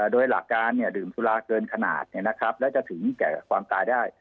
โดยหลักการดื่มสุราเกินขนาดแล้วจะถึงแก่ความตายได้